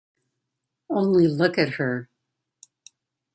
Only look at her.